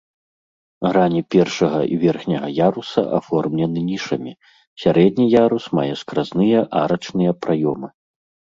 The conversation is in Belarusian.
Грані першага і верхняга яруса аформлены нішамі, сярэдні ярус мае скразныя арачныя праёмы.